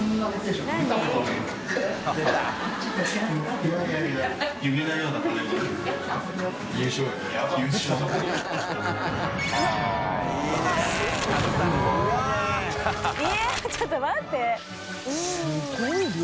すごい量。